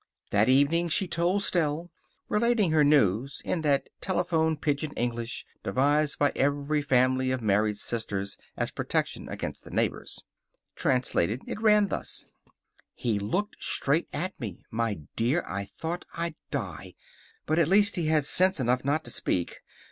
That evening she told Stell, relating her news in that telephone pidgin English devised by every family of married sisters as protection against the neighbors. Translated, it ran thus: "He looked straight at me. My dear, I thought I'd die! But at least he had sense enough not to speak.